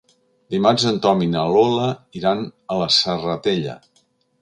Dimarts en Tom i na Lola iran a la Serratella.